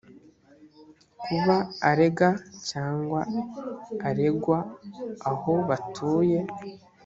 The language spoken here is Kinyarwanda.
kuba arega cyangwa aregwa aho batuye